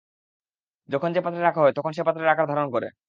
যখন যে পাত্রে রাখা হয় তখন সে পাত্রের আকার ধারণ করে।